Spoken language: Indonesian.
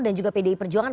dan juga pdi perjuangan